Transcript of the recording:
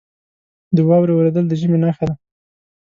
• د واورې اورېدل د ژمي نښه ده.